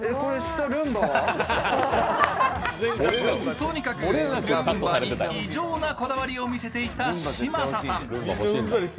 とにかくルンバに異常なこだわりを見せていた嶋佐さん。